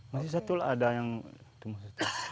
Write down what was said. masih satu lah ada yang tumbuh